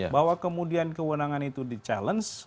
bahwa kemudian kewenangan itu di challenge